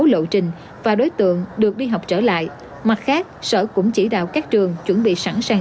lộ trình và đối tượng được đi học trở lại mặt khác sở cũng chỉ đạo các trường chuẩn bị sẵn sàng